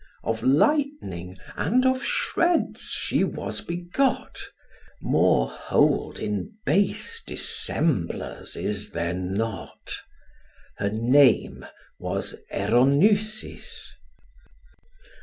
Of lightning, and of shreds she was begot; More hold in base dissemblers is there not. Her name was Eronusis.